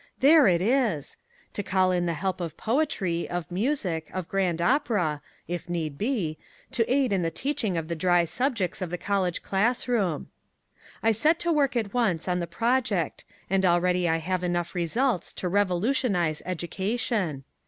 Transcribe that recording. There it is! To call in the help of poetry, of music, of grand opera, if need be, to aid in the teaching of the dry subjects of the college class room. I set to work at once on the project and already I have enough results to revolutionize education.